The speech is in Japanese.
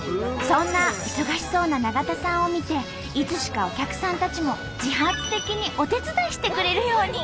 そんな忙しそうな永田さんを見ていつしかお客さんたちも自発的にお手伝いしてくれるように。